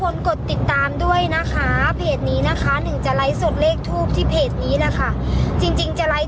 นวดนี้มี๐แน่เลยค่ะลูกค้าขา